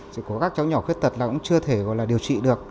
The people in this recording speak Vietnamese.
sẽ có các cháu nhỏ khuyết tật là cũng chưa thể điều trị được